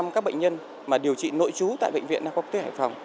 một trăm linh các bệnh nhân mà điều trị nội trú tại bệnh viện đa khoa quốc tế hải phòng